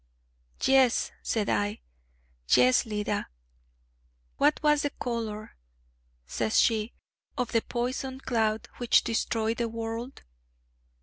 'Yes,' said I, 'yes, Leda.' 'What was the color,' says she, 'of the poison cloud which destroyed the world?'